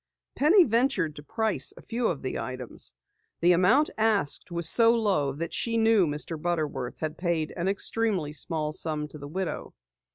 Penny ventured to price a few of the items. The amount asked was so low that she knew Mr. Butterworth had paid an extremely small sum to the widow.